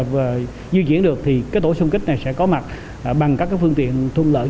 và di chuyển được thì tổ xung kích này sẽ có mặt bằng các phương tiện thuận lợi